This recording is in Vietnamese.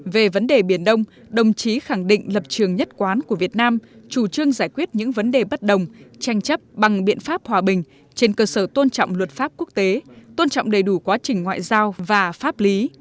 về vấn đề biển đông đồng chí khẳng định lập trường nhất quán của việt nam chủ trương giải quyết những vấn đề bất đồng tranh chấp bằng biện pháp hòa bình trên cơ sở tôn trọng luật pháp quốc tế tôn trọng đầy đủ quá trình ngoại giao và pháp lý